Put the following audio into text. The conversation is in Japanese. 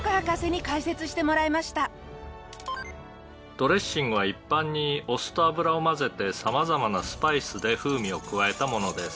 「ドレッシングは一般にお酢と油を混ぜて様々なスパイスで風味を加えたものです」